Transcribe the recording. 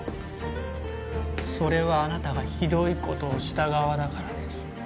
それはあなたがひどいことをした側だからです